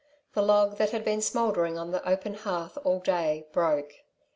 The log that had been smouldering on the open hearth all day broke.